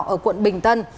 ở quận bình tân